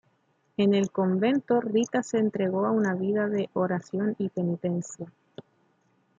En el convento, Rita se entregó a una vida de oración y penitencia.